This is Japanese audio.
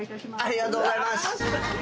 ありがとうございます。